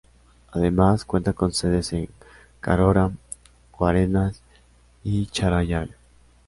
Además cuenta con sedes en Carora, Guarenas y Charallave.